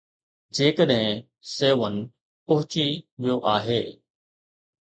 جيڪڏهن Savon پهچي ويو آهي.